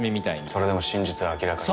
それでも真実は明らかに。